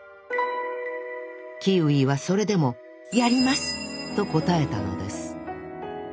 キーウィはそれでも「やります！」と答えたのです。